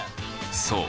そう。